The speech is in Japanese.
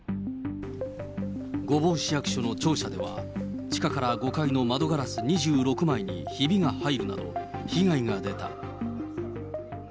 御坊市役所の庁舎では、地下から５階の窓ガラス２６枚にひびが入るなど、被害が出た。